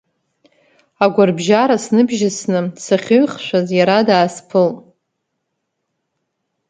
Агәарбжьара сныбжьысны сахьыҩхшәаз, иара даасԥылт.